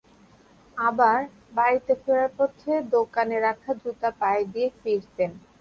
আবার বাড়িতে ফেরার পথে সেই দোকানে রাখা জুতা পায়ে দিয়ে ফিরতেন।